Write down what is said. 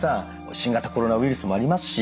新型コロナウイルスもありますし